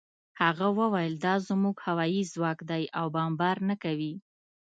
هغه وویل دا زموږ هوايي ځواک دی او بمبار نه کوي